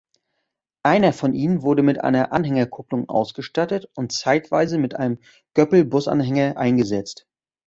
Einer von ihnen wurde mit einer Anhängerkupplung ausgestattet und zeitweise mit einem Göppel-Busanhänger eingesetzt.